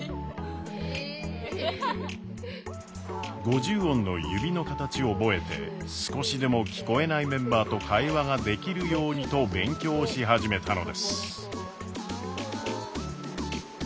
五十音の指の形を覚えて少しでも聞こえないメンバーと会話ができるようにと勉強し始めたのです。